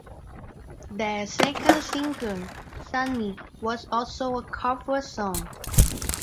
Their second single, "Sunny" was also a cover song.